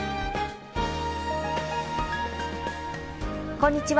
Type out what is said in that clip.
こんにちは。